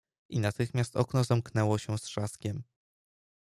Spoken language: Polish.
"I natychmiast okno zamknęło się z trzaskiem."